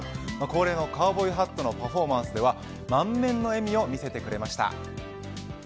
恒例のカウボーイハットのパフォーマンスでは満面の笑みを見せてくれました。